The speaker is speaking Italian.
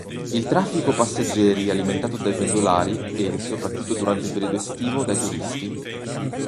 Il traffico passeggeri alimentato dai pendolari e, soprattutto durante il periodo estivo, dai turisti.